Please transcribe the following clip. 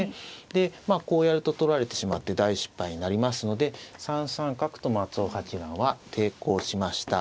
でまあこうやると取られてしまって大失敗になりますので３三角と松尾八段は抵抗しました。